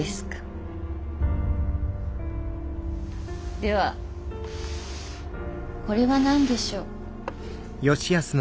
ではこれは何でしょう。